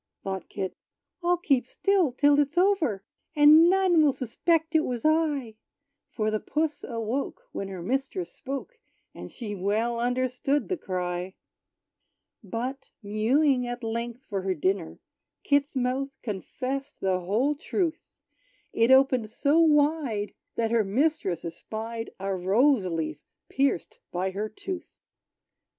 Thought Kit, "I'll keep still till it's over; And none will suspect it was I." For the puss awoke, when her mistress spoke; And she well understood the cry. But, mewing at length for her dinner, Kit's mouth confessed the whole truth: It opened so wide that her mistress espied A rose leaf pierced by her tooth!